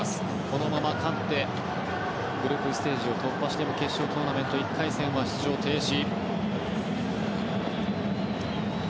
このまま勝ってグループステージを突破しても決勝トーナメント１回戦は出場停止。